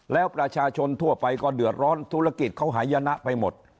แล้วประชาชนทั่วไปก็เดือดร้อนธุรกิจเขาหายนะไปหมด